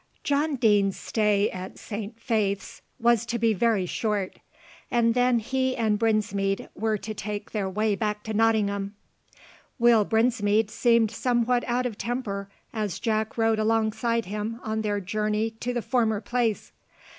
John Deane's stay at Saint Faith's was to be very short, and then he and Brinsmead were to take their way back to Nottingham. Will Brinsmead seemed somewhat out of temper as Jack rode alongside him on their journey to the former place.